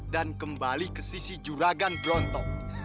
dan kembali ke sisi juragan bronto